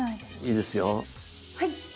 いいですよ。はいっ！